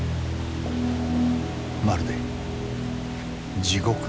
まるで地獄の門。